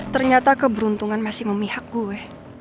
ternyata keberuntungan masih memihak gue